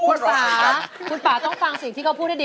คุณป่าคุณป่าต้องฟังสิ่งที่เขาพูดให้ดี